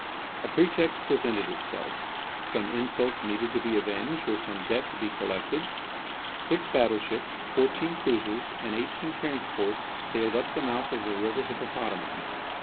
A pretext presented itself; some insult needed to be avenged, or some debt to be collected. Six battleships, fourteen cruisers, and eighteen transports sailed up the mouth of the river Hippopotamus.